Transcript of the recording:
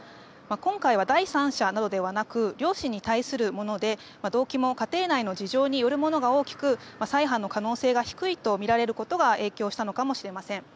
今回は第三者などではなく両親に対するもので、動機も家庭内の事情によるものが大きく再犯の可能性が低いとみられることが影響したのかもしれません。